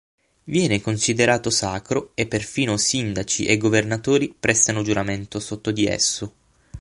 Viene considerato sacro, e perfino sindaci e governatori prestano giuramento sotto di esso.